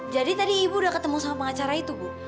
jadi tadi ibu udah ketemu sama pengacara itu bu